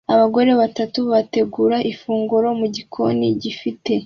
Abagore batatu bategura ifunguro mugikoni gifite